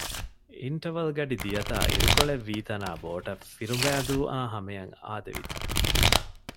އިންޓަވަލް ގަޑި ދިޔަތާ އިރުކޮޅެއް ވީތަނާ ބޯޓަށް ފިރުބަނއިދޫ އާ ހަމައަށް އާދެވިއްޖެ